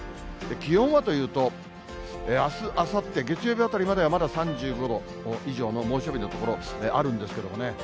気温はというと、あす、あさって、月曜日あたりはまだ３５度以上の猛暑日の所あるんですけれどもね。